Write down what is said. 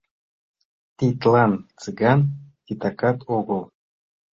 Тидлан Цыган титакан огыл.